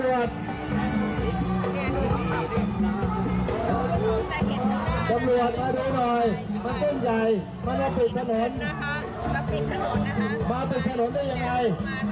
มาเป็นถนนได้ยังไง